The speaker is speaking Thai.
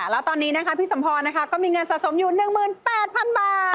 แล้วตอนนี้นะคะพี่สมพรนะคะก็มีเงินสะสมอยู่๑๘๐๐๐บาท